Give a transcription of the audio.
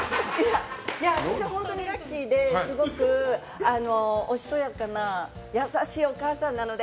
私、本当にラッキーですごくおしとやかな優しいお母さんなので。